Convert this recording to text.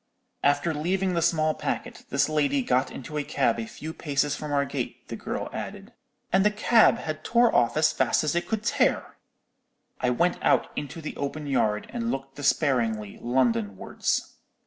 After leaving the small packet, this lady got into a cab a few paces from our gate, the girl added, 'and the cab had tore off as fast as it could tear!' "I went out into the open yard, and looked despairingly London wards.